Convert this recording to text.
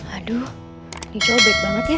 aduh ini cowok baik banget ya